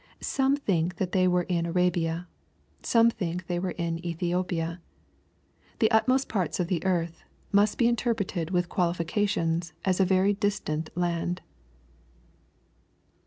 Some think that they were in Arabia. Some think that they were in Ethhopia. " The utmost parts of the earth" must be interpreted with qualifications as a very distand land.